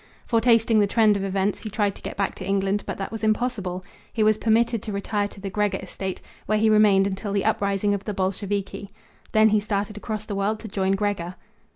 Foretasting the trend of events, he tried to get back to England, but that was impossible. He was permitted to retire to the Gregor estate, where he remained until the uprising of the Bolsheviki. Then he started across the world to join Gregor."